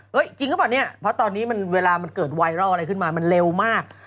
จริงหรือเปล่าเนี่ยเพราะตอนนี้มันเวลามันเกิดไวรัลอะไรขึ้นมามันเร็วมาก